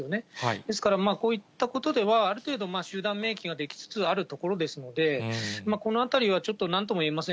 ですから、こういったことでは、ある程度、集団免疫が出来つつあるところですので、このあたりはちょっとなんとも言えません。